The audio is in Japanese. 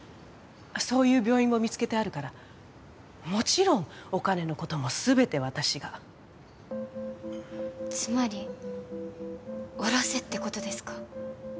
そういう病院も見つけてあるからもちろんお金のことも全て私がつまりおろせってことですか？